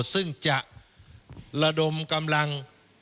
ซึ่งจะระดมกำลัง